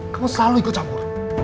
kamu selalu ikut campur